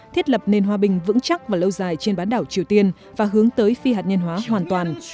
thiết lập nền hòa bình vững chắc và lâu dài trên bán đảo triều tiên và hướng tới phi hạt nhân hóa hoàn toàn